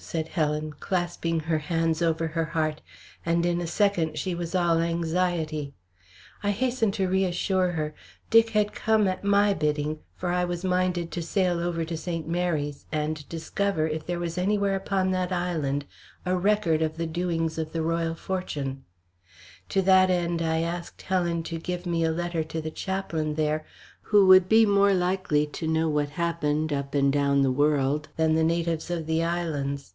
said Helen, clasping her hands over her heart, and in a second she was all anxiety. I hastened to reassure her. Dick had come at my bidding, for I was minded to sail over to St. Mary's, and discover if there was anywhere upon that island a record of the doings of the Royal Fortune. To that end I asked Helen to give me a letter to the chaplain there, who would be likely to know more of what happened up and down the world than the natives of the islands.